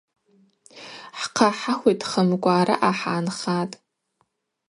Хӏхъа хӏахвитхымкӏва араъа хӏгӏанхатӏ.